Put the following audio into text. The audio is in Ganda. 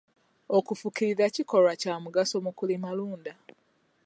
Okufukirira kikolwa kya mugaso mu kulimalunda.